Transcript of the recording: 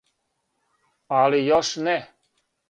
Али још не.